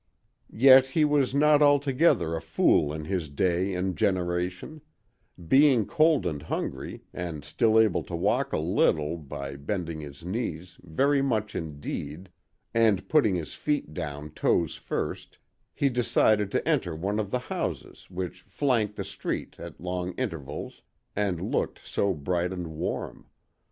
Yet he was not altogether a fool in his day and generation; being cold and hungry, and still able to walk a little by bending his knees very much indeed and putting his feet down toes first, he decided to enter one of the houses which flanked the street at long intervals and looked so bright and warm.